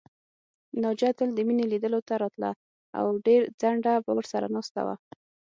ناجیه تل د مينې لیدلو ته راتله او ډېر ځنډه به ورسره ناسته وه